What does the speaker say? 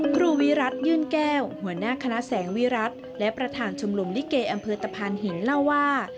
ครูวิรัติยื่นแก้วหัวหน้าคณะแสงวิรัติและประธานชมรมลิเกอำเภอตะพานหินเล่าว่า